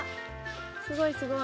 すごいすごい。